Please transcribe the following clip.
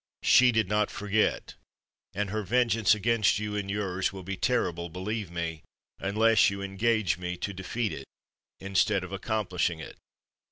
She did not forget, and her vengeance against you and yours will be terrible, believe me, unless you engage me to defeat it instead of accomplishing it.